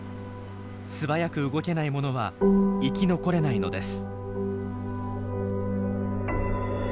素早く動けない者は生き残れないのです。